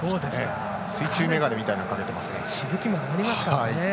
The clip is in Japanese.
水中眼鏡みたいなのをかけていましたね。